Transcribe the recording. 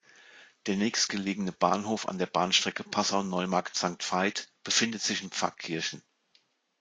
Der nächstgelegene Bahnhof an der Bahnstrecke Passau–Neumarkt-Sankt Veit befindet sich in Pfarrkirchen.